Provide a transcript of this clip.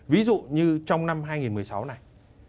ví dụ như trong năm hai nghìn một mươi sáu này